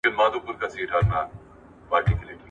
د ښاري ژوند ستونزې باید په جدي ډول وڅېړل سي.